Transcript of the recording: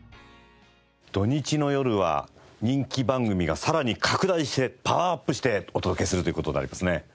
土日の夜は人気番組がさらに拡大してパワーアップしてお届けするという事になりますね。